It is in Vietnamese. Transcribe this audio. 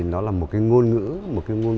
nó là một cái ngôn ngữ một cái ngôn ngữ